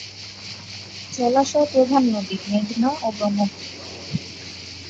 জলাশয় প্রধান নদী: মেঘনা ও ব্রহ্মপুত্র।